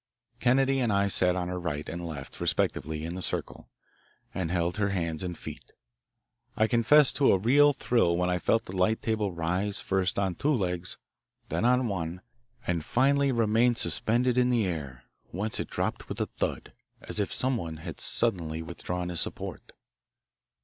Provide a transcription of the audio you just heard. Kennedy and I sat on her right and left respectively, in the circle, and held her hands and feet. I confess to a real thrill when I felt the light table rise first on two legs, then on one, and finally remain suspended in the air, whence it dropped with a thud, as if someone had suddenly withdrawn his support.